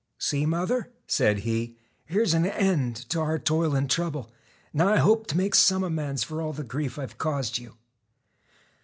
'See, mother,' said he, * here is an end to our toil and trouble. Now I hope to make some amends for all the grief I have caused you.'